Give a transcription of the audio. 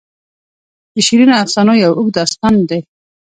د شیرینو افسانو یو اوږد داستان دی.